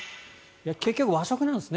結局、和食なんですね。